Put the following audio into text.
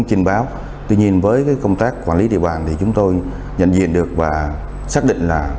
trú tại thành phố quy nhơn trú tại thành phố quy nhơn